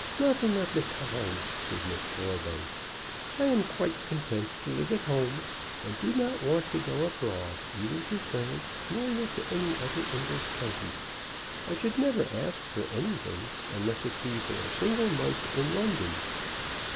"Nothing of the kind," said Miss Thoroughbung. "I am quite content to live at home and do not want to go abroad, either to France nor yet to any other English county. I should never ask for anything, unless it be for a single month in London."